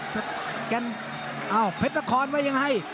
สกันเอ้าเพชรละครไว้ยังไง